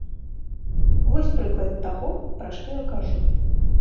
Вось прыклад таго, пра што я кажу.